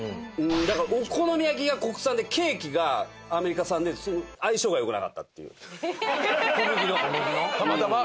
だからお好み焼きが国産でケーキがアメリカ産で相性がよくなかったっていう小麦のたまたま？